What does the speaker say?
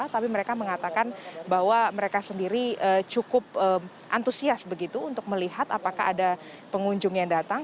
tapi mereka mengatakan bahwa mereka sendiri cukup antusias begitu untuk melihat apakah ada pengunjung yang datang